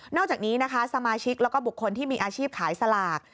อกจากนี้นะคะสมาชิกแล้วก็บุคคลที่มีอาชีพขายสลาก